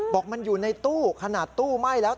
บอกมันอยู่ในตู้ขนาดตู้ไหม้แล้ว